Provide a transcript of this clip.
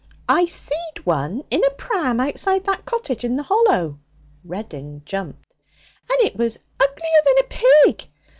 I seed one in a pram outside that cottage in the Hollow' (Reddin jumped), 'and it was uglier than a pig.